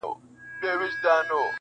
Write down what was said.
کشکي ستا په خاطر لمر وای راختلی-!